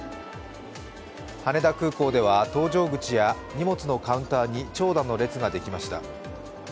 羽田空港では、搭乗口や荷物のカウンターに長蛇の列ができました。